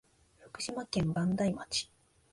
福島県磐梯町